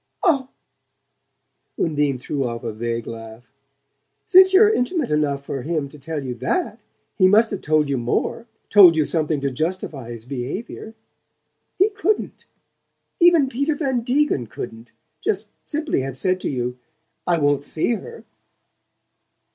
"Oh " Undine threw off a vague laugh. "Since you're intimate enough for him to tell you THAT he must, have told you more told you something to justify his behaviour. He couldn't even Peter Van Degen couldn't just simply have said to you: 'I wont see her.'"